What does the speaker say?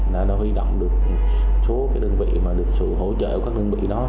đã huy động được số đơn vị mà được sự hỗ trợ của các đơn vị đó